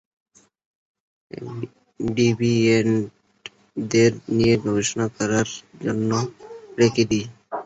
ডিভিয়েন্টদের নিয়ে গবেষণা করার জন্য রেখে দিই।